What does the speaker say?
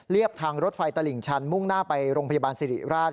ทางรถไฟตลิ่งชันมุ่งหน้าไปโรงพยาบาลสิริราช